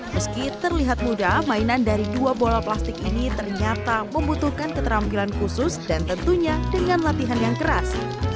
meski terlihat mudah mainan dari dua bola plastik ini ternyata membutuhkan keterampilan khusus dan tentunya dengan latihan yang keras